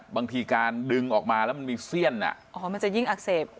บางทีการดึงออกมาแล้วมันมีเสี้ยนอ่ะอ๋อมันจะยิ่งอักเสบ